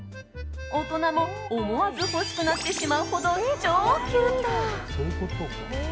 大人も思わず欲しくなってしまうほど超キュート！